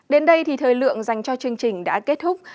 đến đây thì thời lượng dành cho chương trình đã kết thúc